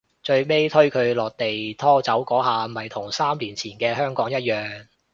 最尾推佢落地拖走嗰下咪同三年前嘅香港一樣